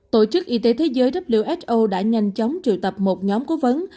tổ chức y tế thế giới who đã nhanh chóng triệu tập một nhóm cố vấn